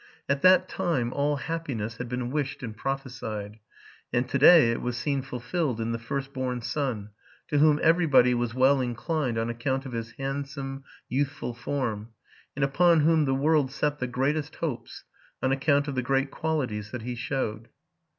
At that time all happiness had been wished and prophesied ; and to day it was seen fulfilled in the first born son, to whom everybody was well inclined on account of his handsome, youthful form, and upon whom the world set the greatest hopes, on account of the great qualities that he showed.